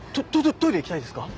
トトイレ行きたいですか？